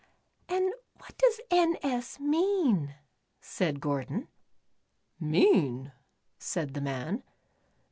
*'And what does ' N. S.' mean?" said Gordon. ''Mean?" said the man.